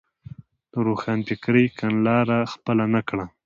د روښانفکرۍ کڼلاره خپله نه کړه.